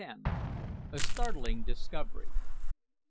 A STARTLING DISCOVERY.